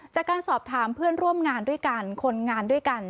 จากการสอบถามเพื่อนร่วมงานด้วยกันคนงานด้วยกัน